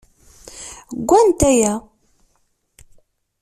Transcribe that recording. Gant aya.